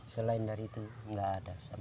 selain dari itu nggak ada